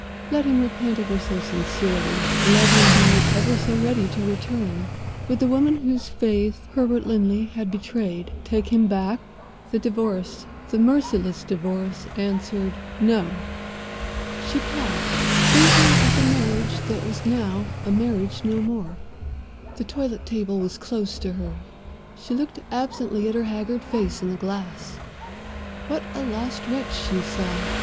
Let him repent ever so sincerely, let him be ever so ready to return, would the woman whose faith Herbert Linley had betrayed take him back? The Divorce, the merciless Divorce, answered: No! She paused, thinking of the marriage that was now a marriage no more. The toilet table was close to her; she looked absently at her haggard face in the glass. What a lost wretch she saw!